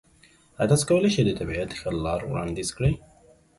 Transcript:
ایا تاسو کولی شئ د طبیعت ښه لار وړاندیز کړئ؟